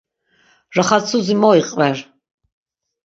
Raxatsuzi mo iqver.